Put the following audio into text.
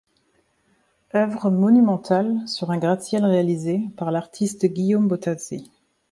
Œuvre monumentale sur un gratte-ciel réalisée par l'artiste Guillaume Bottazzi.